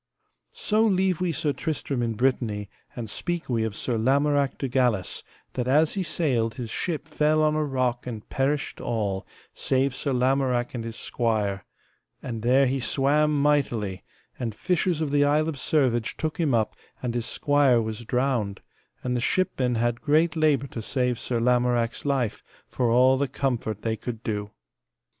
So leave we Sir Tristram in Brittany, and speak we of Sir Lamorak de Galis, that as he sailed his ship fell on a rock and perished all, save Sir Lamorak and his squire; and there he swam mightily, and fishers of the Isle of Servage took him up, and his squire was drowned, and the shipmen had great labour to save Sir Lamorak's life, for all the comfort that they could do.